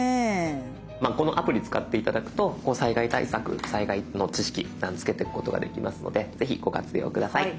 まあこのアプリ使って頂くと災害対策災害の知識つけてくことができますのでぜひご活用下さい。